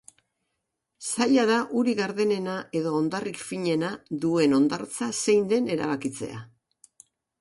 Zaila da urik gardenena edo ondarrik finena duen hondartza zein den erabakitzea.